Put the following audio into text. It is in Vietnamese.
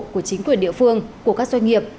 của chính quyền địa phương của các doanh nghiệp